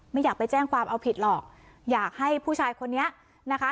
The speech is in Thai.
ไม่อยากไปแจ้งความเอาผิดหรอกอยากให้ผู้ชายคนนี้นะคะ